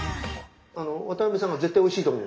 渡辺さんが絶対おいしいと思う？